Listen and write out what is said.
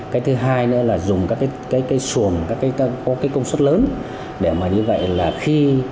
cái thứ hai nữa là dùng các cái xuồng các cái có cái công suất lớn để mà như vậy là khi